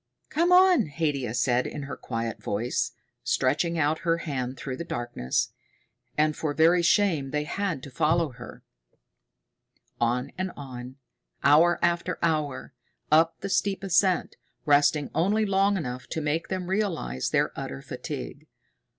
"Come on," Haidia said in her quiet voice, stretching out her hand through the darkness. And for very shame they had to follow her. On and on, hour after hour, up the steep ascent, resting only long enough to make them realize their utter fatigue.